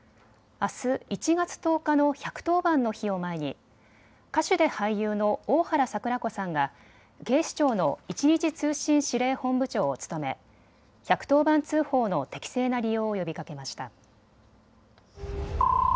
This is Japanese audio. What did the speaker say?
あす１月１０日の１１０番の日を前に歌手で俳優の大原櫻子さんが警視庁の１日通信指令本部長を務め１１０番通報の適正な利用を呼びかけました。